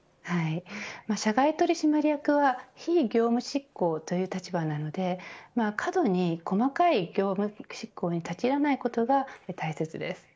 社外取締役は非業務執行という立場なので過度に細かい業務執行に立ち入らないことが大切です。